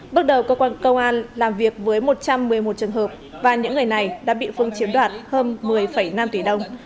bước đầu cơ quan công an làm việc với một trăm một mươi một trường hợp và những người này đã bị phương chiếm đoạt hơn một mươi năm tỷ đồng